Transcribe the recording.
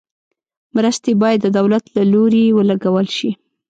مرستې باید د دولت له لوري ولګول شي.